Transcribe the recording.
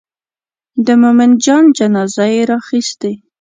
د مومن جان جنازه یې راخیستې.